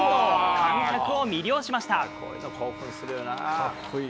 観客を魅了しました。